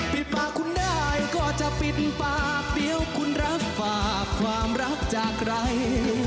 ปิดปากคุณได้ก็จะปิดปากเดี๋ยวคุณรับฝากความรักจากใคร